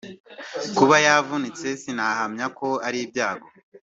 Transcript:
Kuba yavunitse sinahamya ko ari ibyago